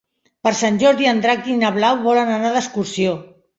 Per Sant Jordi en Drac i na Blau volen anar d'excursió.